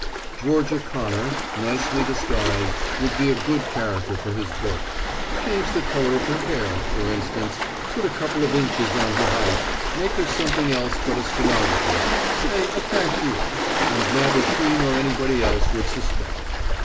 Georgia Connor, nicely disguised, would be a good character for his book. Change the color of her hair, for instance, put a couple of inches on her height, make her something else but a stenographer, say a cashier and neither she nor anybody else would suspect.